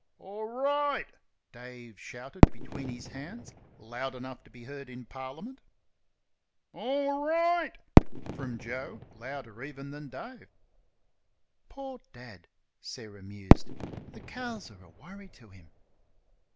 "Or right!" Dave shouted between his hands, loud enough to be heard in Parliament. "Or right!" from Joe, louder even than Dave. "Poor Dad!" Sarah mused, "the cows are a worry to him."